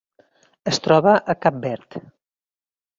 Es troba a Cap Verd.